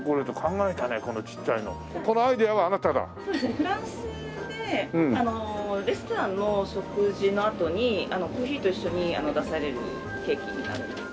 フランスでレストランの食事のあとにコーヒーと一緒に出されるケーキなんですけど。